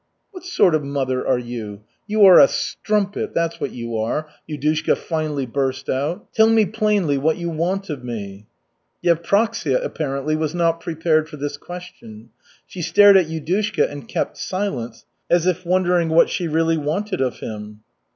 "What sort of mother are you? You are a strumpet that's what you are," Yudushka finally burst out. "Tell me plainly what you want of me." Yevpraksia, apparently, was not prepared for this question. She stared at Yudushka and kept silence, as if wondering what she really wanted of him.